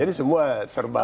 jadi sebuah serba